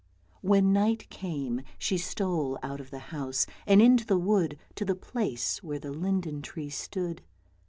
When night came she stole out of the house, and into the wood, to the place where the linden tree stood.